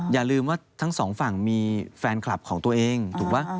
อย่าลืมว่าทั้งสองฝั่งมีแฟนคลับของตัวเองถูกป่ะ